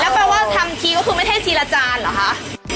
แปลว่าทำทีก็คือไม่ใช่ทีละจานเหรอคะ